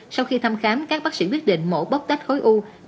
sau khi thăm khám các bác sĩ quyết định mổ bóc tách khối u